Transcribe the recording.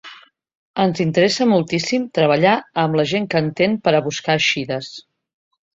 Ens interessa moltíssim treballar amb la gent que entén per a buscar eixides.